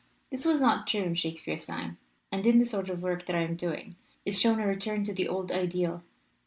"This was not true in Shakespeare's time. And in the sort of work that I am doing is shown a return to the old ideal.